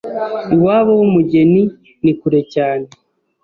iwabo w’umugeni nikure cyane